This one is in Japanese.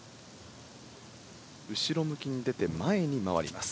後ろ向きに出て前に回ります。